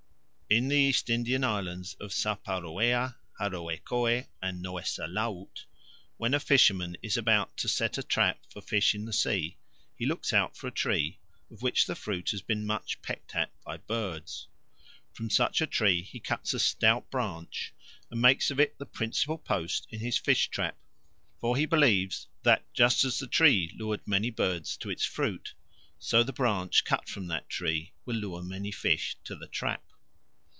In the East Indian islands of Saparoea, Haroekoe, and Noessa Laut, when a fisherman is about to set a trap for fish in the sea, he looks out for a tree, of which the fruit has been much pecked at by birds. From such a tree he cuts a stout branch and makes of it the principal post in his fish trap; for he believes that, just as the tree lured many birds to its fruit, so the branch cut from that tree will lure many fish to the trap.